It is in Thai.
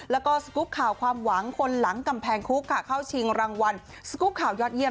แล้วก็สกุปข่าวความหวังคนหลังกำแพงคุกค่ะเข้าชิงรางวัลสกุปข่าวยอดเยี่